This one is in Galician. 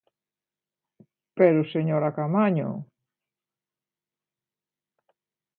¡Pero, señora Caamaño!